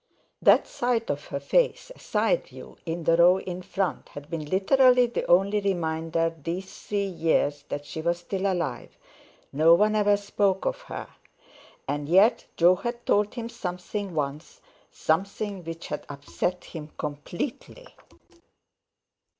That sight of her face—a side view—in the row in front, had been literally the only reminder these three years that she was still alive. No one ever spoke of her. And yet Jo had told him something once—something which had upset him completely.